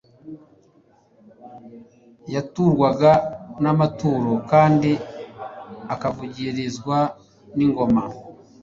yaturwaga n'amaturo kandi akavugirizwa n'ingoma.